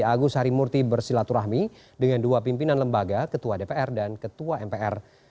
agus harimurti bersilaturahmi dengan dua pimpinan lembaga ketua dpr dan ketua mpr